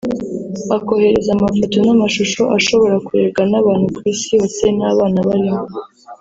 akohereza amafoto n’amashusho ashobora kurebwa n’abantu ku isi yose n’abana barimo